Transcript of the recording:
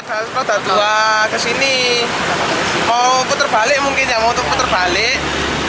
ada roda dua kesini mau puter balik mungkin ya mau puter balik